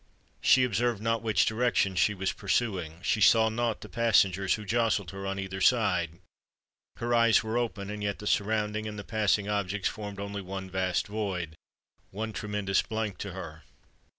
She observed not which direction she was pursuing;—she saw not the passengers who jostled her on either side:—her eyes were open—and yet the surrounding and the passing objects formed only one vast void—one tremendous blank to her.